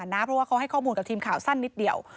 เพราะว่าเขาให้ข้อมูลกับทีมข่าวสั้นนิดเดียว